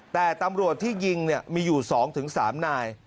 แต่ตำรวจที่ยิงมีอยู่๒๓นาย